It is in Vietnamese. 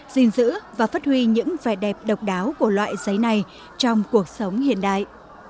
gìn giữ và phát huy những vẻ đẹp độc đáo của loại giấy này trong cuộc sống hiện đại